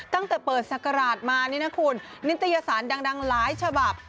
ตั้งแต่เปิดศักราชมานี่นะคุณนิตยสารดังหลายฉบับ